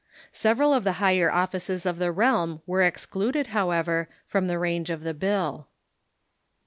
Several of the higher of fices of the realm were excluded, however, from the range of the bill.